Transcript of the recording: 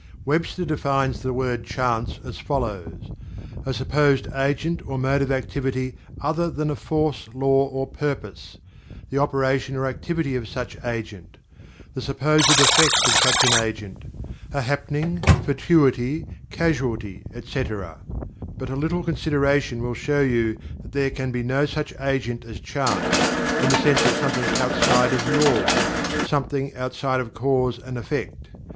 Webster defines the word "Chance" as follows: "A supposed agent or mode of activity other than a force, law or purpose; the operation or activity of such agent; the supposed effect of such an agent; a happening; fortuity; casualty, etc." But a little consideration will show you that there can be no such agent as "Chance," in the sense of something outside of Law something outside of Cause and Effect.